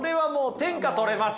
天下取れます。